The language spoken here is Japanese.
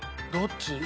どっち？